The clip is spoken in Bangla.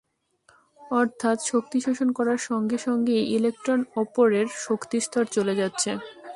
অর্থাৎ শক্তি শোষণ করার সঙ্গে সঙ্গেই ইলেকট্রন ওপরের শক্তিস্তরে চলে যাচ্ছে।